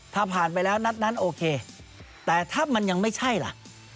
ถ้าผ่านไปแล้วนัดนั้นโอเคแต่ถ้ามันยังไม่ใช่ล่ะ